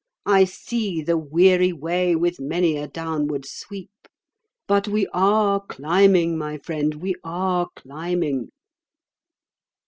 I see the weary way with many a downward sweep. But we are climbing, my friend, we are climbing."